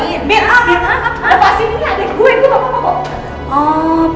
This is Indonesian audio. mir mir lepasin ini adek gue gue bapak bapak